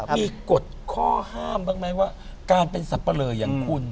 มีกฎข้อห้ามบ้างไหมว่าการเป็นสับปะเลออย่างคุณ